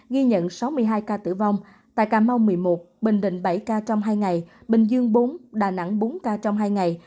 ghi nhận sáu mươi hai ca tử vong tại cà mau một mươi một bình định bảy ca trong hai ngày bình dương bốn đà nẵng bốn ca trong hai ngày